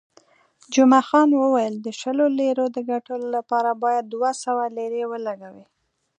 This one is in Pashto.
جمعه خان وویل، د شلو لیرو د ګټلو لپاره باید دوه سوه لیرې ولګوې.